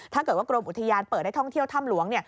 ถ้าเกิดว่ากรมอุทยานเปิดให้ท่องเที่ยวถ้ำหลวง